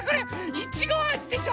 いちごあじでしょ？